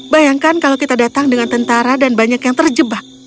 bayangkan kalau kita datang dengan tentara dan banyak yang terjebak